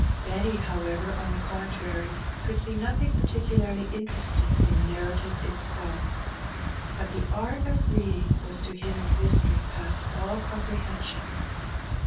Benny, however, on the contrary, could see nothing particularly interesting in the narrative itself. But the art of reading was to him a mystery past all comprehension.